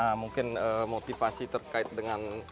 nah mungkin motivasi terkait dengan